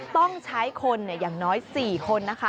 ต้องใช้คนอย่างน้อย๔คนนะคะ